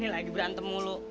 nih lagi berantem mulu